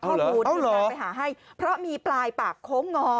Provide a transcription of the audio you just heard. ข้อมูลที่ทีมงานไปหาให้เพราะมีปลายปากโค้งงอ